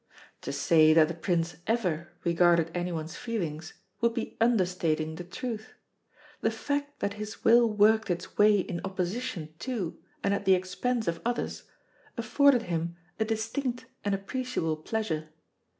To say that the Prince ever regarded anyone's feelings would be understating the truth. The fact that his will worked its way in opposition to, and at the expense of others, afforded him a distinct and appreciable pleasure.